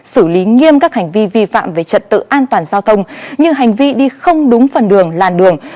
xử lý nghiêm các hành vi vi phạm về trật tự an toàn giao thông như hành vi đi không đúng phần đường làn đường